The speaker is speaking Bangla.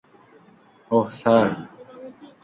ওহ, স্যার?